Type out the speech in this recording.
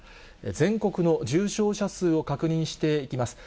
全国の重症者数を確認していきます。